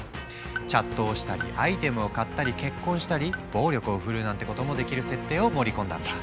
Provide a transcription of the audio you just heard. チャットをしたりアイテムを買ったり結婚したり暴力を振るうなんてこともできる設定を盛り込んだんだ。